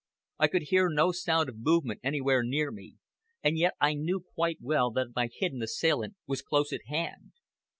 I could hear no sound of movement anywhere near me, and yet I knew quite well that my hidden assailant was close at hand.